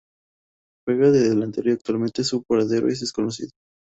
Juega de delantero y actualmente su paradero es desconocido.